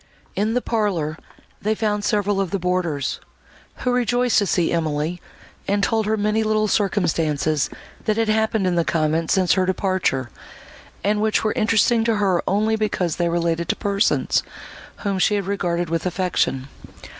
In the parlour, they found several of the boarders, who rejoiced to see Emily, and told her many little circumstances that had happened in the convent since her departure, and which were interesting to her only because they related to persons, whom she had regarded with affection.